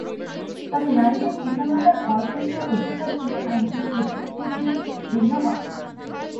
তবে নারীদের পিতামাতার ভরণপোষণের অধিকার দিয়ে আইনটি এদিক থেকে ভিন্ন হবে।